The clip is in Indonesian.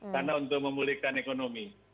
karena untuk memulihkan ekonomi